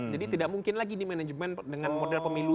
jadi tidak mungkin lagi di manajemen dengan model pemilu